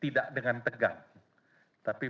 tidak dengan tegang tapi